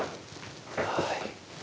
はい。